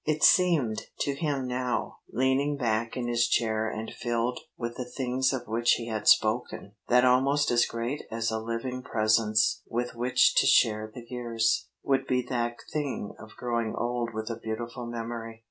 It seemed to him now, leaning back in his chair and filled with the things of which he had spoken, that almost as great as a living presence with which to share the years, would be that thing of growing old with a beautiful memory.